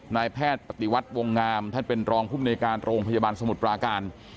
นายแพทย์ปฏิวัติวงงามท่านเป็นรองภูมิในการโรงพยาบาลสมุทรปราการ